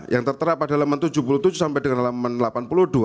yang tertera pada halaman tujuh puluh tujuh sampai dengan halaman delapan puluh dua